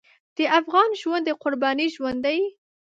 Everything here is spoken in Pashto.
د افغان ژوند د قربانۍ ژوند دی.